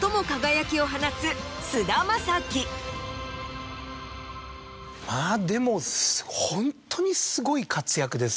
まぁでもホントにすごい活躍ですね。